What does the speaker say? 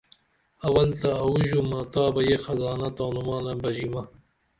اول تہ اوو ژومہ تابہ یہ خزانہ تانومانہ بژِیمہ